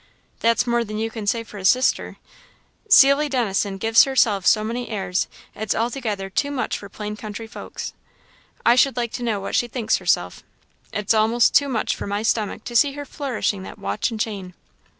"That's more than you can say for his sister. Cilly Dennison gives herself so many airs, it's altogether too much for plain country folks. I should like to know what she thinks herself. It's a'most too much for my stomach to see her flourishing that watch and chain."